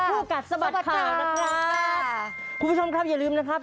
กัดสะบัดข่าวนะครับคุณผู้ชมครับอย่าลืมนะครับ